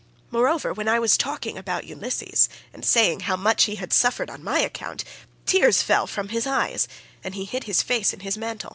Moreover, when I was talking about Ulysses, and saying how much he had suffered on my account, tears fell from his eyes, and he hid his face in his mantle."